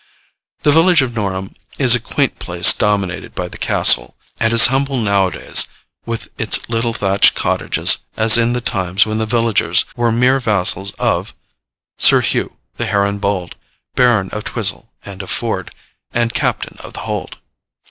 The village of Norham is a quaint place dominated by the castle, and as humble nowadays, with its little thatched cottages, as in the times when the villagers were mere vassals of 'Sir Hugh, the Heron bold, Baron of Twisell, and of Ford, And Captain of the Hold.'